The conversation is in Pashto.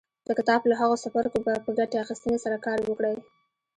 د کتاب له هغو څپرکو په ګټې اخيستنې سره کار وکړئ.